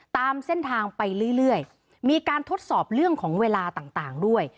ตามเส้นทางไปเรื่อยมีการทดสอบเรื่องของเวลาต่างด้วย